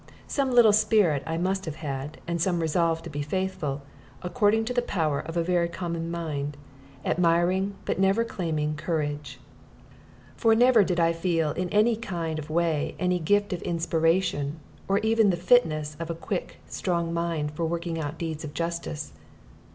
Some little spirit I must have had, and some resolve to be faithful, according to the power of a very common mind, admiring but never claiming courage. For I never did feel in any kind of way any gift of inspiration, or even the fitness of a quick, strong mind for working out deeds of justice.